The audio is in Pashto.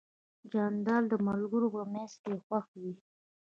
جانداد د ملګرو په منځ کې خوښ وي.